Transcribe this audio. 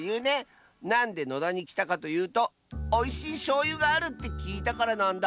なんで野田にきたかというとおいしいしょうゆがあるってきいたからなんだ。